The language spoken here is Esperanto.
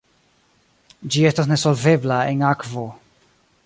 Ĝi estas nesolvebla en akvo.